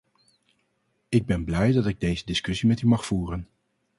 Ik ben blij dat ik deze discussie met u mag voeren.